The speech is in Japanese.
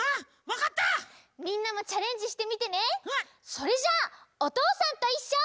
それじゃあ「おとうさんといっしょ」。